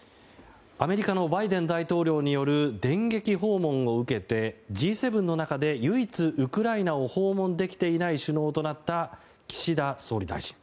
アメリカのバイデン大統領による電撃訪問を受けてＧ７の中で唯一、ウクライナを訪問できていない首脳となった岸田総理大臣。